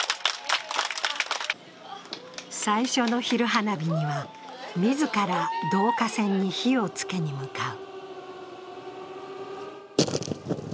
最初の昼花火には自ら導火線に火をつけに向かう。